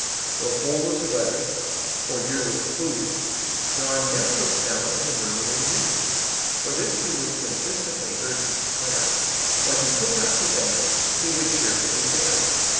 Though cold was the weather, or dear was the food, John never was found in a murmuring mood; For this he was constantly heard to declare, What he could not prevent he would cheerfully bear.